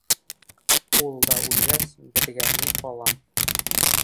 Ул да үлгәс, беҙгә ни ҡала.